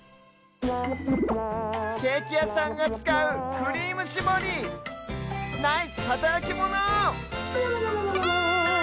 ケーキやさんがつかうクリームしぼりナイスはたらきモノ！